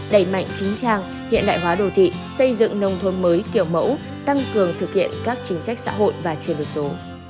đẩy mạnh chính trang hiện đại hóa đô thị xây dựng nông thôn mới kiểu mẫu tăng cường thực hiện các chính sách xã hội và chuyển đổi số